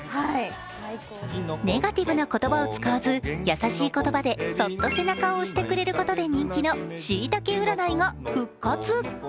ネガティブな言葉を使わず、優しい言葉でそっと背中を押してくれることで人気のしいたけ占いが復活！